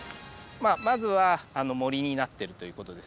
まずは森になってるという事ですね。